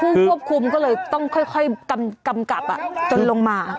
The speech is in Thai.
ควบคุมก็เลยต้องค่อยกำกับจนลงมา